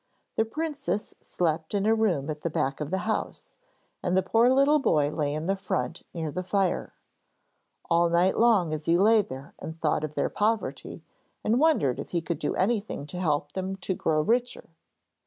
The princess slept in a room at the back of the house and the poor little boy lay in the front, near the fire. All night long he lay there and thought of their poverty, and wondered if he could do anything to help them to grow richer.